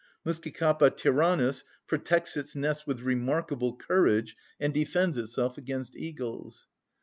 Muscicapa tyrannus protects its nest with remarkable courage, and defends itself against eagles.